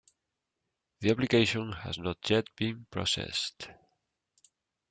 The application has not yet been processed.